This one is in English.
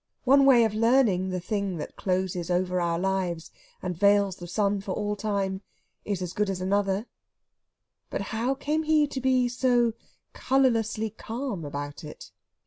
One way of learning the thing that closes over our lives and veils the sun for all time is as good as another; but how came he to be so colourlessly calm about it?